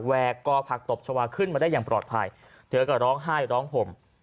กอผักตบชาวาขึ้นมาได้อย่างปลอดภัยเธอก็ร้องไห้ร้องห่ม